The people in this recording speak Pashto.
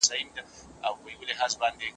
عدم برداشت د ټولني د ويجاړۍ لامل سو.